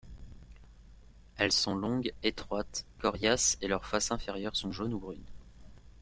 Elles sont longues, étroites, coriaces et leurs faces inférieures sont jaunes ou brunes.